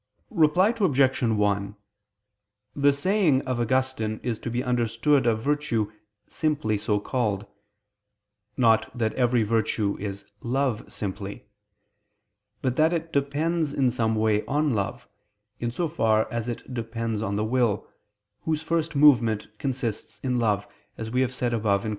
Reply Obj. 1: The saying of Augustine is to be understood of virtue simply so called: not that every virtue is love simply: but that it depends in some way on love, in so far as it depends on the will, whose first movement consists in love, as we have said above (Q.